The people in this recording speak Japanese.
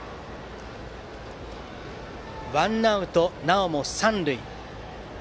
ワンアウト、なおも三塁。